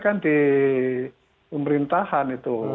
kan di pemerintahan